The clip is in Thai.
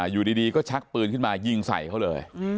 อยู่ดีก็ชักปืนขึ้นมายิงใส่เขาเลย